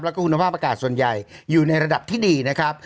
แล้วก็คุณภาพอากาศส่วนใหญ่อยู่ในระดับที่ดีนะครับ